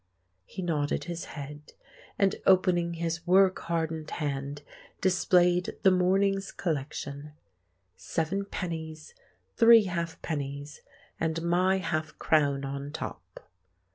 He nodded his head, and, opening his work hardened hand, displayed the morning's collection—seven pennies, three halfpennies, and my half crown on top.